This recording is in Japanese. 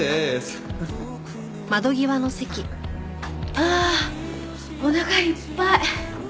はあおなかいっぱい！